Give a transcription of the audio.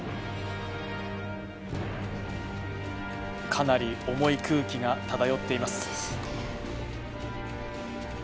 かなり重い空気が漂っていますですね